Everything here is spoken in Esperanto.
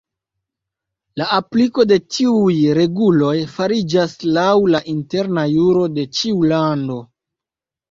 La apliko de tiuj reguloj fariĝas laŭ la interna juro de ĉiu lando.